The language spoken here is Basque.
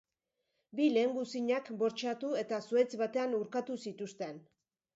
Bi lehengusinak bortxatu eta zuhaitz batean urkatu zituzten.